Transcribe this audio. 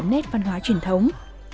mang đậm nét văn hóa truyền thống